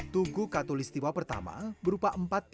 tugu katulistiwa pertama berupa empat titik